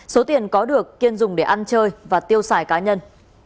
số tiền có được kiên dùng để ăn chơi và tiêu xài cá nhân